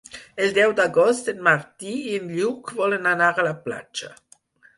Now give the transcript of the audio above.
El deu d'agost en Martí i en Lluc volen anar a la platja.